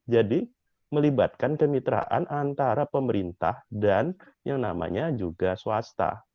jadi melibatkan kemitraan antara pemerintah dan yang namanya juga swasta